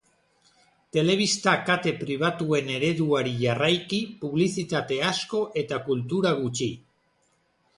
Telebista kate pribatuen ereduari jarraiki publizitate asko eta kultura gutxi.